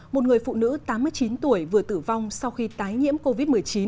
một người phụ nữ tám mươi chín tuổi vừa tử vong sau khi tái nhiễm covid một mươi chín